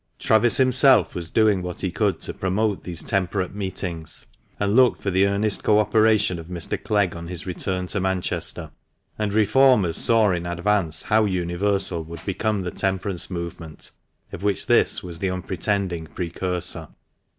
Travis himself was doing what he could to promote these temperate meetings, and looked for the earnest co operation of Mr. Clegg on his return to Manchester. (And reformers saw in advance how universal would become the temperance movement of which this was the unpretending precursor.